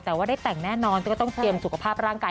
แต่ว่าได้แต่งแน่นอนก็ต้องเตรียมสุขภาพร่างกาย